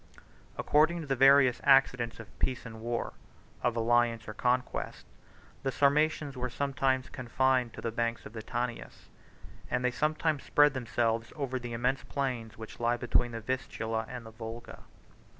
According to the various accidents of peace and war, of alliance or conquest, the Sarmatians were sometimes confined to the banks of the Tanais; and they sometimes spread themselves over the immense plains which lie between the Vistula and the Volga.